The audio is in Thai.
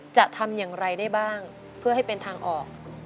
จะทำอย่างไรได้บ้างเพื่อให้เป็นทางออก